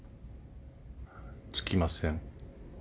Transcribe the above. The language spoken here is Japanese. つきません。